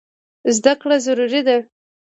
زده کړه ضروري ده.